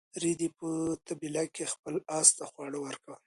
رېدي په طبیله کې خپل اس ته خواړه ورکول.